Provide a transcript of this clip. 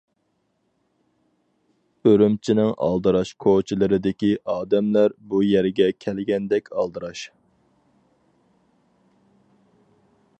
ئۈرۈمچىنىڭ ئالدىراش كوچىلىرىدىكى ئادەملەر بۇ يەرگە كەلگەندەك ئالدىراش.